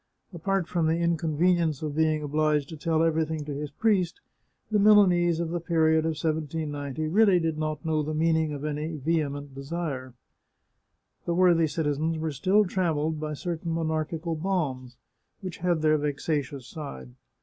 Apart from the inconvenience of being obliged to tell everything to his priest, the Milanese of the period of 1790 really did not know the meaning of any vehement desire. The worthy citizens were still trammelled by certain monarchical bonds, which had their vexatious side.